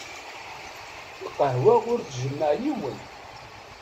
Lqahwa ur tjemmeε yiwen.